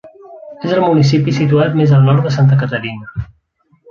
És el municipi situat més al nord de Santa Catarina.